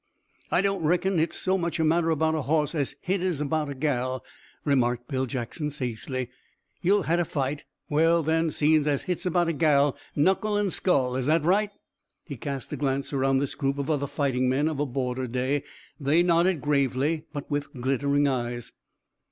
"I don't reckon hit's so much a matter about a hoss as hit is about a gal," remarked Bill Jackson sagely. "Ye'll hatter fight. Well then, seein' as hit's about a gal, knuckle an' skull, is that right?" He cast a glance around this group of other fighting men of a border day. They nodded gravely, but with glittering eyes.